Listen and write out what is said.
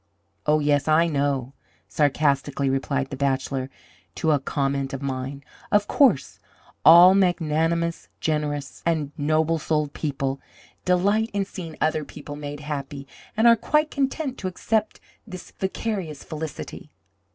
"Oh, yes, I know," sarcastically replied the bachelor to a comment of mine; "of course, all magnanimous, generous, and noble souled people delight in seeing other people made happy, and are quite content to accept this vicarious felicity.